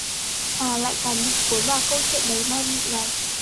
Hà lại càng bị cuốn vào câu chuyện đầy ma mị này